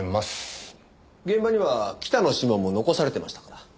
現場には北の指紋も残されてましたから。